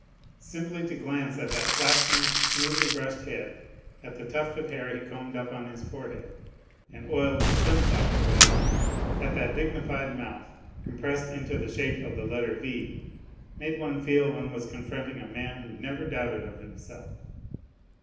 Simply to glancfe at that flaxen, smoothly brushed head, at the tuft of hair he combed up on his forehead and oiled with 140 NOTES FROM UNDERGROUND sunflower oil, at that dignified mouth, compressed into the shape of the letter V, made one feel one was confronting a man who never doubted of himself.